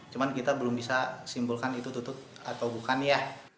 cuma kita belum bisa simpulkan itu tutup atau bukan ya